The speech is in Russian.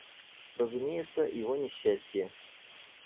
Разумеется, его несчастье...